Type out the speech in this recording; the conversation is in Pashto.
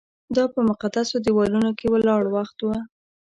دا په مقدسو دیوالونو کې ولاړ وخت و.